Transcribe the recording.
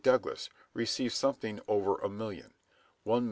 Douglas received something over a million (1,291,574).